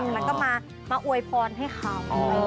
แล้วก็มาอวยพรให้เขา